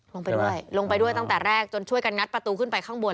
ลงไปด้วยลงไปด้วยตั้งแต่แรกจนช่วยกันงัดประตูขึ้นไปข้างบน